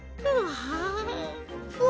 うわ。